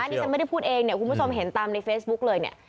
ที่ฉันไม่ได้พูดเองเนี่ยคุณผู้ชมเห็นตามในเฟซบุ๊กเลยเนี่ย